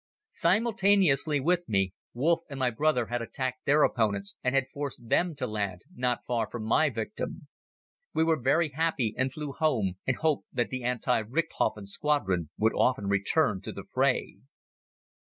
Simultaneously with me, Wolff and my brother had attacked their opponents and had forced them to land not far from my victim. We were very happy and flew home and hoped that the anti Richthofen Squadron would often return to the fray.